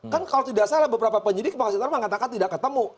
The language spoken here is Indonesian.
kan kalau tidak salah beberapa penyidik mengatakan tidak ketemu